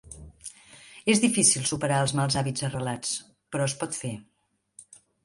És difícil superar els mals hàbits arrelats, però es pot fer.